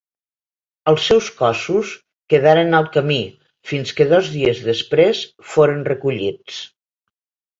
Els seus cossos quedaren al camí, fins que dos dies després foren recollits.